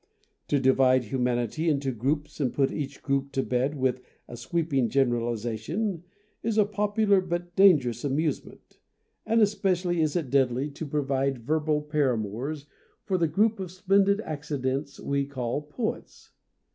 To divide humanity into groups and put each group to bed with a sweeping generali zation is a popular but dangerous amuse ment, and especially is it deadly to provide verbal paramours for the group of splendid accidents we call poets.